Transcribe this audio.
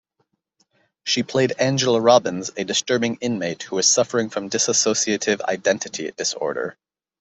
She played Angela Robbins, a disturbing inmate who was suffering from Dissociative Identity Disorder.